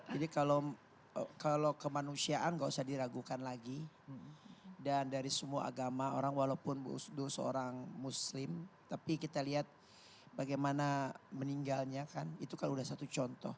jadi kalau kemanusiaan enggak usah diragukan lagi dan dari semua agama orang walaupun gus dur seorang muslim tapi kita lihat bagaimana meninggalnya kan itu kalau sudah satu contoh